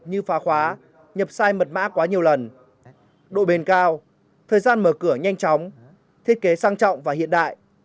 như phá khóa nhập sai mật mã quá nhiều lần độ bền cao thời gian mở cửa nhanh chóng thiết kế sang trọng và hiện đại